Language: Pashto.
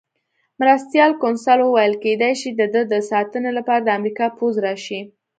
مرستیال کونسل وویل: کېدای شي د ده د ساتنې لپاره د امریکا پوځ راشي.